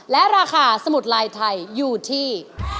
และราคาสมุดลายไทยอยู่ที่